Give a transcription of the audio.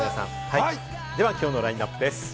では今日のラインナップです。